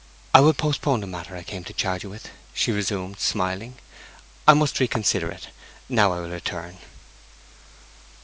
'I will postpone the matter I came to charge you with,' she resumed, smiling. 'I must reconsider it. Now I will return.'